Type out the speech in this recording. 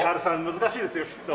難しいですよきっと。